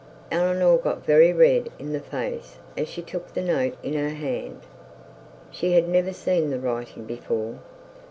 Eleanor got very red in the face as she took the note in her hand. She had never seen the writing before.